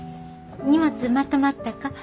荷物まとまったか？